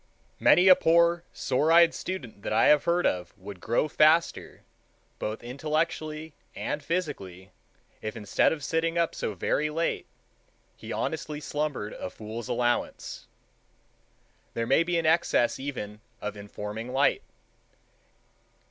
Many a poor sore eyed student that I have heard of would grow faster, both intellectually and physically, if, instead of sitting up so very late, he honestly slumbered a fool's allowance. There may be an excess even of informing light.